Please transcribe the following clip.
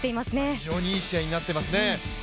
非常にいい試合になってますね。